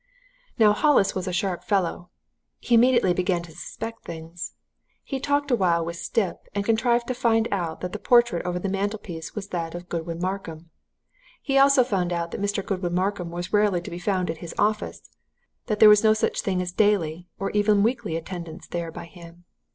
"Now, Hollis was a sharp fellow. He immediately began to suspect things. He talked awhile with Stipp, and contrived to find out that the portrait over the mantelpiece was that of Godwin Markham. He also found out that Mr. Godwin Markham was rarely to be found at his office that there was no such thing as daily, or even weekly attendance there by him.